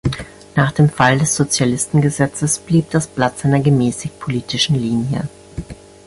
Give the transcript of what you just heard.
Nach dem Fall des Sozialistengesetzes blieb das Blatt seiner gemäßigt politischen Linie.